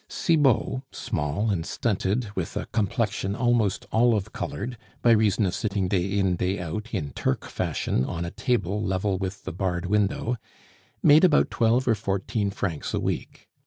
Cibot, small and stunted, with a complexion almost olive colored by reason of sitting day in day out in Turk fashion on a table level with the barred window, made about twelve or fourteen francs a week.